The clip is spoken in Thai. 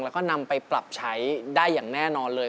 แล้วก็นำไปปรับใช้ได้อย่างแน่นอนเลย